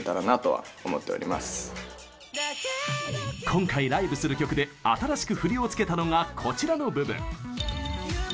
今回ライブする曲で新しく振りを付けたのがこちらの部分。